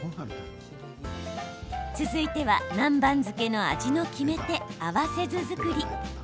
続いては南蛮漬けの味の決め手合わせ酢作り。